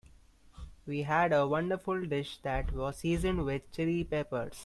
We had a wonderful dish that was seasoned with Chili Peppers.